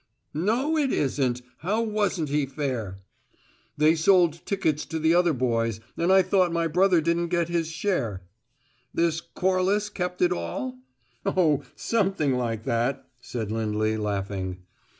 "No, it isn't! How wasn't he fair?" "They sold tickets to the other boys; and I thought my brother didn't get his share." "This Corliss kept it all?" "Oh, something like that," said Lindley, laughing.